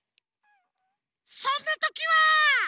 そんなときは！